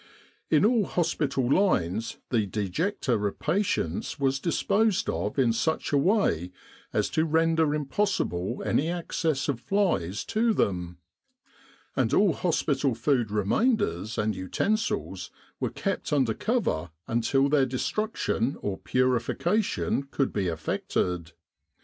In all hospital lines the dejecta of patients were disposed of in such a way as to render impossible any access of flies to them, and all hospital food remainders and utensils were kept under cover until their destruc tion or purification could be effected.